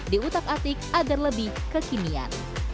di utak atik agar lebih kekimian